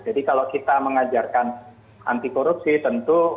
jadi kalau kita mengajarkan anti korupsi tentu